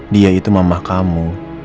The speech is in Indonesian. dia itu mamah kamu